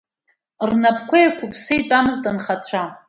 Рнапқәа еиқәыԥса итәамызт анхацәа.